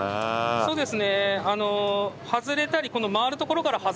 そうですね。